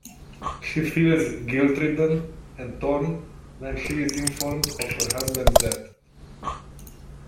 She feels guilt-ridden and torn when she is informed of her husband's death.